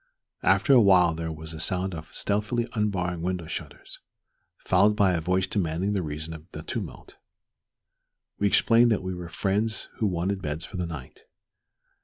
After a while there was a sound of stealthily unbarring window shutters, followed by a voice demanding the reason of the tumult. We explained that we were friends who wanted beds for the night.